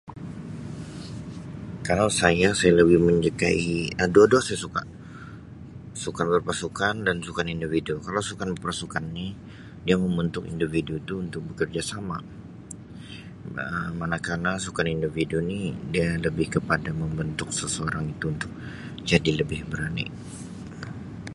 Kalau saya, saya lebih menyukai Um dua-dua saya suka, sukan berpasukan dan juga sukan individu, kalau sukan berpasukan ini dia membentuk individu tu untuk bekerjasama Um manakala sukan individu ni dia lebih kepada membentuk seseorang itu untuk jadi lebih berani.